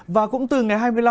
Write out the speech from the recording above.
và cũng từ ngày hai mươi năm